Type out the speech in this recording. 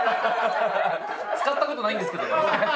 使った事ないんですけどね。